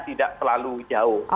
tidak terlalu jauh